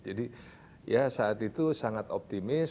jadi ya saat itu sangat optimis